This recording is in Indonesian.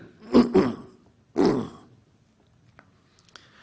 harus mengandung kepastian dan keadilan